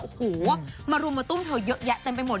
โอ้โหมารุมมาตุ้มเธอเยอะแยะเต็มไปหมด